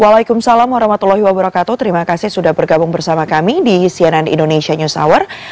waalaikumsalam warahmatullahi wabarakatuh terima kasih sudah bergabung bersama kami di cnn indonesia news hour